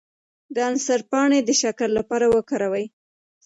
د انځر پاڼې د شکر لپاره وکاروئ